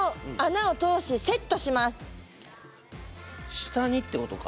下にってことか？